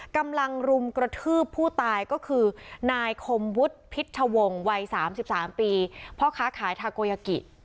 รุมกระทืบผู้ตายก็คือนายคมวุฒิพิชวงศ์วัย๓๓ปีพ่อค้าขายทาโกยากิ